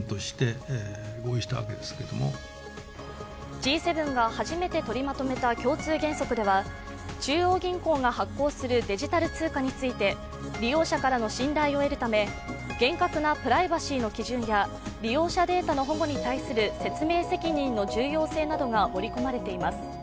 Ｇ７が初めて取りまとめた共通原則では中央銀行が発行するデジタル通貨について利用者からの信頼を得るため厳格なプライバシーの基準や利用者データの保護に対する説明責任の重要性などが盛り込まれています。